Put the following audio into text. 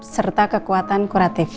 serta kekuatan kuratif